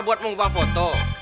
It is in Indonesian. buat mengubah foto